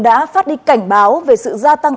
đã phát đi cảnh báo về sự gia tăng